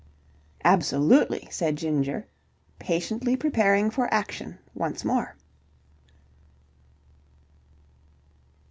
"Absolutely!" said Ginger, patiently preparing for action once more.